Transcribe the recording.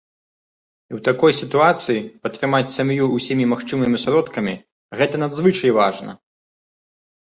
І ў такой сітуацыі падтрымаць сям'ю ўсімі магчымымі сродкамі, гэта надзвычай важна!